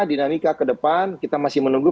dinamika kedepan kita masih menunggu